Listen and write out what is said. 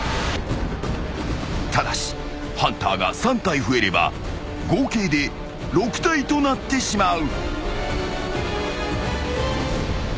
［ただしハンターが３体増えれば合計で６体となってしまう］